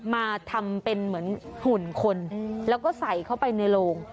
มาทำเป็นเหมือนหุ่นคนแล้วก็ใส่เข้าไปในโรง